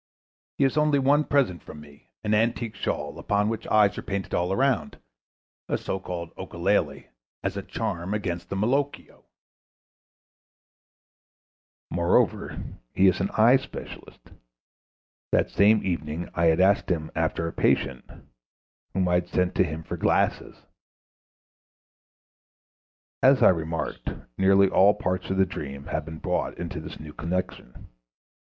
He has had only one present from me, an antique shawl, upon which eyes are painted all round, a so called Occhiale, as a charm against the Malocchio. Moreover, he is an eye specialist. That same evening I had asked him after a patient whom I had sent to him for glasses. As I remarked, nearly all parts of the dream have been brought into this new connection.